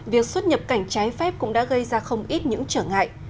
việc xuất nhập cảnh trái phép cũng đã gây ra không ít những trở ngại